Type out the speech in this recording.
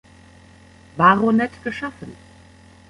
Baronet geschaffen.